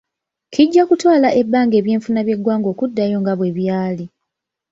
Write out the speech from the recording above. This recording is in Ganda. Kijja kutwala ebbanga eby'enfuna by'eggwanga okuddayo nga bwe byali.